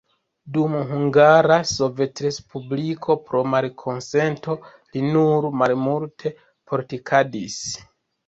Dum Hungara Sovetrespubliko pro malkonsento li nur malmulte politikadis.